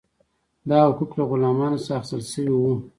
دا حقوق له غلامانو څخه اخیستل شوي وو.